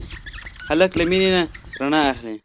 هلک له مینې نه رڼا اخلي.